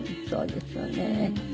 そうですよね。